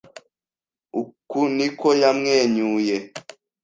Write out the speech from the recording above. Uku niko yamwenyuye